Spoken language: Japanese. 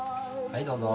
はいどうぞ。